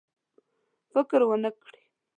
فکر ونه کړي.